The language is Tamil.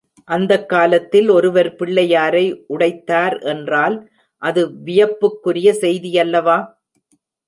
அந்தக் காலத்தில் ஒருவர் பிள்ளையாரை உடைத்தார் என்றால் அது வியப்புக்குரிய செய்தியல்லவா?